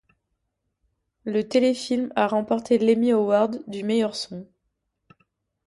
Le téléfilm a remporte l'Emmy Award du meilleur son.